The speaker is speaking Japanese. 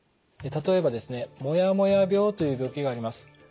例えばですねもやもや病という病気があります。